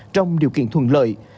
trong điều kiện thuận lợi